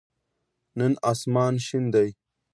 نن آسمان شین دی